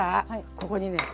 ここにね